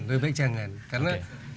lebih baik jangan karena